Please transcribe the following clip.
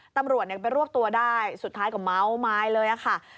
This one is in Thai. ตำรวจไปรวบตัวได้สุดท้ายก็เมาไม้เลยค่ะ